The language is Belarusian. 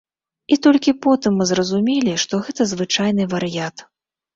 І толькі потым мы зразумелі, што гэта звычайны вар'ят.